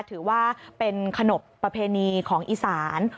ถือว่าเป็นขนบประเพณีของอีสาน